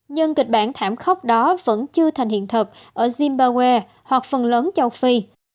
nhưng kịch bản thảm khốc đó vẫn chưa thành hiện thực ở zimbawe hoặc phần lớn châu phi